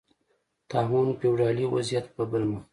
طاعون فیوډالي وضعیت په بل مخ کړ.